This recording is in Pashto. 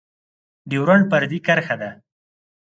ډيورنډ فرضي کرښه ده